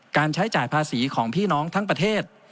การใช้จ่ายภาษีของพี่น้องทั้งประเทศ